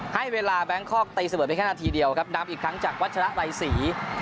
ให้เวลาแบงคอกตีเสมอไปแค่นาทีเดียวครับนำอีกครั้งจากวัชระไรศรี